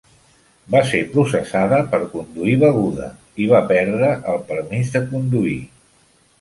Va ser processada per conduir beguda i va perdre el permís de conduir.